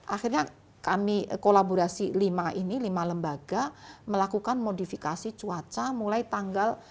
akhirnya kami kolaborasi lima ini lima lembaga melakukan modifikasi cuaca mulai tanggal